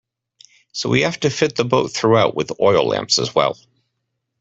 So we have to fit the boat throughout with oil lamps as well.